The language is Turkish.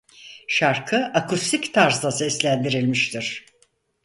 Şarkı akustik tarzda seslendirilmiştir.